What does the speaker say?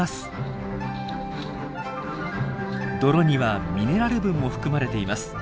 泥にはミネラル分も含まれています。